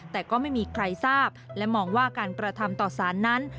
แต่ก็ไม่มีใครทราบและมองว่าการกระทำต่อสารนั้น